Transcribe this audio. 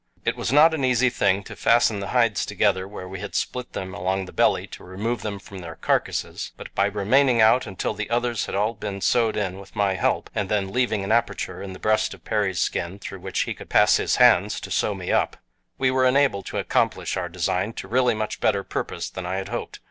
It was not an easy thing to fasten the hides together where we had split them along the belly to remove them from their carcasses, but by remaining out until the others had all been sewed in with my help, and then leaving an aperture in the breast of Perry's skin through which he could pass his hands to sew me up, we were enabled to accomplish our design to really much better purpose than I had hoped.